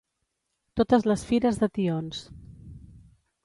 Totes les fires de tions.